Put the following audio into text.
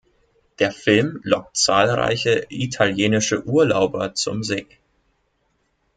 Der Film lockt zahlreiche italienische Urlauber zum See.